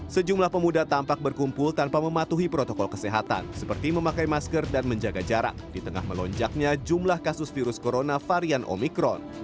sejumlah pemuda tampak berkumpul tanpa mematuhi protokol kesehatan seperti memakai masker dan menjaga jarak di tengah melonjaknya jumlah kasus virus corona varian omikron